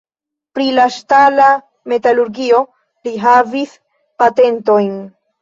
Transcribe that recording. Pri la ŝtala metalurgio li havis patentojn.